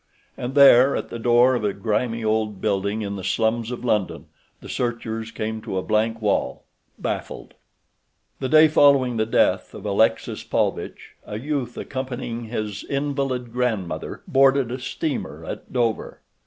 And there, at the door of a grimy, old building in the slums of London, the searchers came to a blank wall—baffled. The day following the death of Alexis Paulvitch a youth accompanying his invalid grandmother, boarded a steamer at Dover.